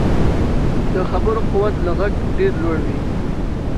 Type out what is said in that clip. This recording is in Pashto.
د خبرو قوت له غږ ډېر لوړ وي